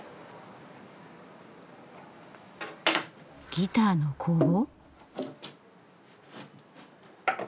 ギターの工房？